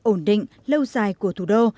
ổn định lâu dài của thủ đô